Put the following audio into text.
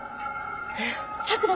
さくら